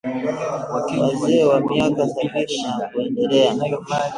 Wazee wa miaka sabini na kuendelea